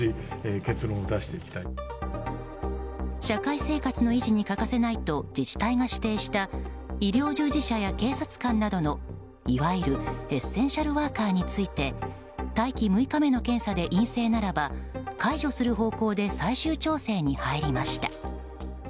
社会生活の維持に欠かせないと自治体が指定した医療従事者や警察官などのいわゆるエッセンシャルワーカーについて待機６日目の検査で陰性ならば解除する方向で最終調整に入りました。